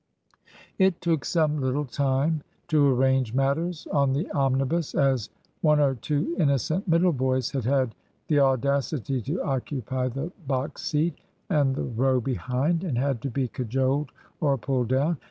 It took some little time to arrange matters on the omnibus, as one or two innocent middle boys had had the audacity to occupy the box seat and the row behind, and had to be cajoled or pulled down.